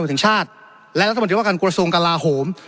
หัวถึงชาติและรัฐบันทรียศวรรษงศ์การลาโหม